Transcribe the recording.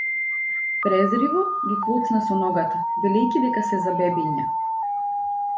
Презриво ги клоцна со ногата велејќи дека се за бебиња.